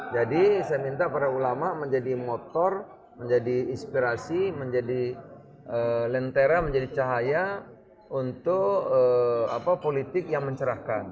jadi saya minta para ulama menjadi motor menjadi inspirasi menjadi lentera menjadi cahaya untuk politik yang mencerahkan